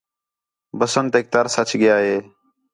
بسنٹیک ترس اَچ ڳِیا ہِے